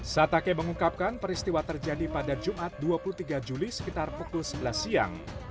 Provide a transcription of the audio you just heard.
satake mengungkapkan peristiwa terjadi pada jumat dua puluh tiga juli sekitar pukul sebelas siang